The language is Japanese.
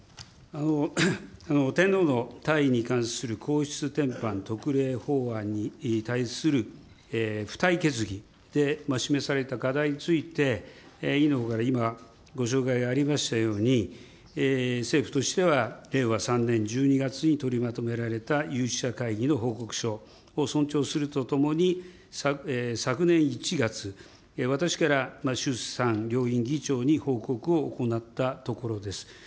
天皇の退位に関する皇室典範特例法案に対する附帯決議で示された課題について、委員のほうから、今、ご紹介がありましたように、政府としては令和３年１２月に取りまとめられた有識者会議の報告書を尊重するとともに、昨年１月、私から衆参両院議長に報告を行ったところです。